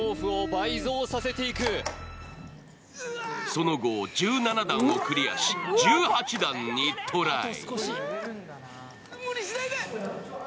その後、１７段をクリアし、１８段にトライ。